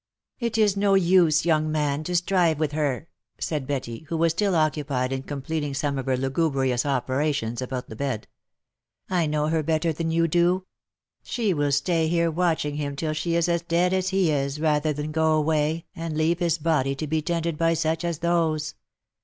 " It is no use, young man, to strive with her," said Betty, who was still occupied in completing some of her lugubrious operations about the bed :" I know her better than you do. She will stay here watching him till she is as dead as he is, rather than go away, and leave his body to be tended by such as those."